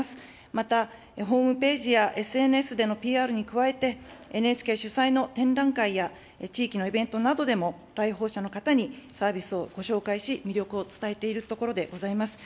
また、ホームページやＳＮＳでのＰＲに加えて、ＮＨＫ主催の展覧会や地域のイベントなどでも、来訪者の方にサービスをご紹介し、魅力を伝えているところでございます。